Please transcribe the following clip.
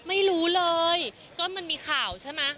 ไม่รู้เลยก็มันมีข่าวใช่ไหม